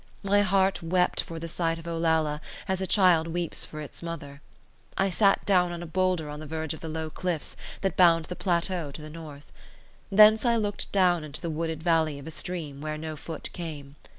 My heart wept for the sight of Olalla, as a child weeps for its mother. I sat down on a boulder on the verge of the low cliffs that bound the plateau to the north. Thence I looked down into the wooded valley of a stream, where no foot came.